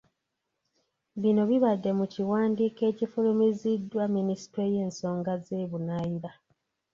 Bino bibadde mu kiwandiiko ekifulumiziddwa minisitule y'ensonga z'ebunaayira.